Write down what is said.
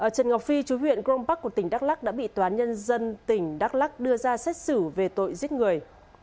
trần ngọc phi chú huyện grom park của tỉnh đắk lắc đã bị toán nhân dân tỉnh đắk lắc đưa ra xét xử về tội giết người